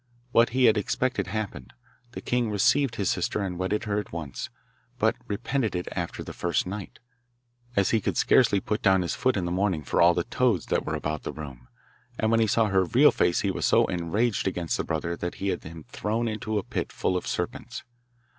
What he had expected happened the king received his sister and wedded her at once, but repented it after the first night, as he could scarcely put down his foot in the morning for all the toads that were about the room, and when he saw her real face he was so enraged against the brother that he had him thrown into a pit full of serpents.